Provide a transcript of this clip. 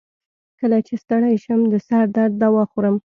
کله چې ستړی شم، د سر درد دوا خورم.